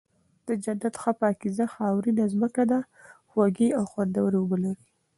د جنت ښه پاکيزه خاورينه زمکه ده، خوږې او خوندوَري اوبه لري